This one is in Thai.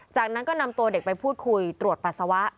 จากนั้นก็นำตัวเด็กไปพูดคุยตรวจปัสสาวะ